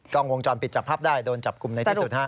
กล้องวงจรปิดจับภาพได้โดนจับกลุ่มในที่สุด